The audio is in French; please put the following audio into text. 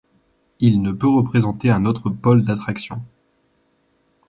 Il ne peut représenter un autre pole d’attraction.